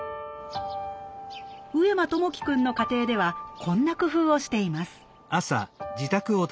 上間友輝くんの家庭ではこんな工夫をしています。